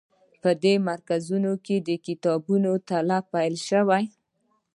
په دې مرکزونو کې د کتابونو تألیف پیل شو.